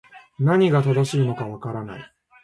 何が正しいのか分からない